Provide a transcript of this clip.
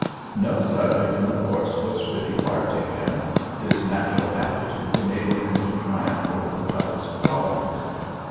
No subject in the course was really hard to him, his natural aptitude enabling him to triumph over the toughest problems.